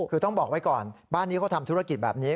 คือต้องบอกไว้ก่อนบ้านนี้เขาทำธุรกิจแบบนี้